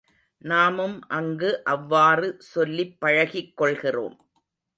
நாமும் அங்கு அவ்வாறு சொல்லிப் பழகிக் கொள்கிறோம்.